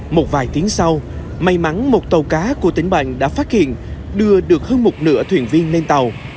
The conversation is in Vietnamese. một vài tiếng sau may mắn một tàu cá của tỉnh bành đã phát hiện đưa được hơn một nửa thuyền viên lên tàu